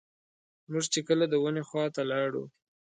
موږ چې کله د ونې خواته لاړو.